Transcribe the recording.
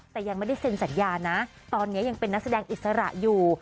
แต่ยังไม่ได้เซ็นสัญญานะตอนนี้ยังเป็นนักแสดงอิสระอยู่